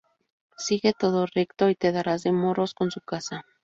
Sigue todo recto y te darás de morros con su casa